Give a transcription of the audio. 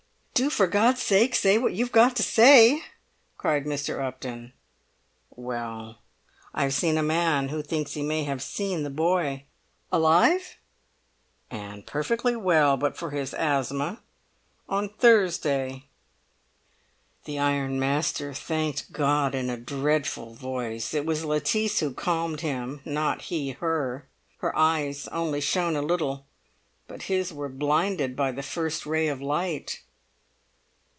"Do for God's sake say what you've got to say!" cried Mr. Upton. "Well, I've seen a man who thinks he may have seen the boy!" "Alive?" "And perfectly well—but for his asthma—on Thursday." The ironmaster thanked God in a dreadful voice; it was Lettice who calmed him, not he her. Her eyes only shone a little, but his were blinded by the first ray of light.